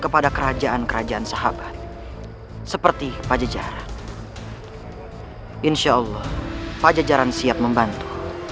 pajajaran siap membantu